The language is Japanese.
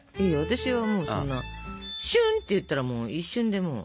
私はもうそんなシュンっていったら一瞬でもう。